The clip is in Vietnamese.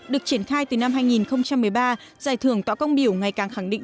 được triển khai từ năm hai nghìn một mươi ba giải thưởng tọa công biểu ngày càng khẳng định